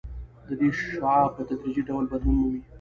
د دې شعاع په تدریجي ډول بدلون مومي